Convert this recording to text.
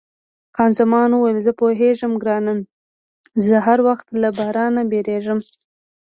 خان زمان وویل، نه پوهېږم ګرانه، زه هر وخت له بارانه بیریږم.